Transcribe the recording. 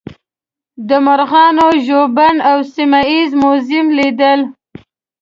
د مرغانو ژوبڼ او سیمه ییز موزیم لیدل.